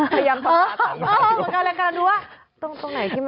พรียามพร้อมพันธุ์